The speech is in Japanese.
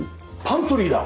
パントリーだ。